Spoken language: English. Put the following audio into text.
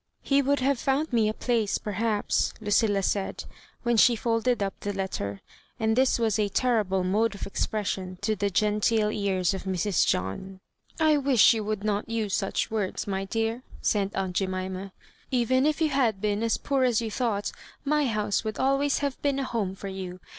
He would have found me a place, perhaps," Lucilla said, when she folded up the letter — and this was a terrible mode of expression to the genteel ears of Mrs. John. " I wish you would not use such words, my dear," said aunt Jemima ;" even if you had been as poor as you thought^ my house would always Digitized by VjOOQIC 154 MISS MABJOfilBANKa have been a' home Tor yoa.